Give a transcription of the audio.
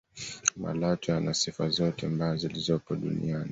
malatwe ana sifa zote mbaya zilizopo duniania